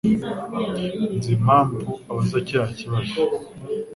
Nzi impamvu abaza kiriya kibazo.